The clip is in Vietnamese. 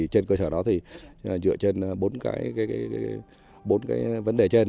trên cơ sở đó thì dựa trên bốn cái vấn đề trên